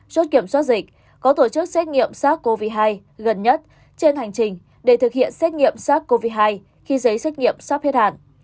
chốt kiểm soát dịch có tổ chức xét nghiệm sars cov hai gần nhất trên hành trình để thực hiện xét nghiệm sars cov hai khi giấy xét nghiệm sắp hết hạn